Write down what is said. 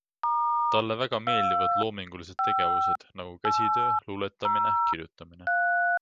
Talle väga meeldivad loomingulised tegevused, nagu käsitöö, luuletamine, kirjutamine.